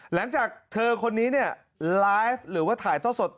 หลังจากเธอคนนี้เนี่ยไลฟ์หรือว่าถ่ายท่อสด